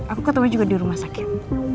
aku ketemu juga di rumah sakit